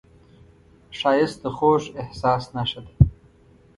ښایست د خوږ احساس نښه ده